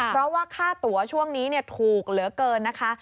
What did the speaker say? เพราะว่าค่าตัวช่วงนี้ถูกเหลือเกินนะคะ